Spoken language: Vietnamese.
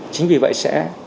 chính vì vậy sẽ